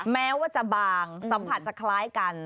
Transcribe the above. แม้ว่าจะบางสัมผัสจะคล้ายกัน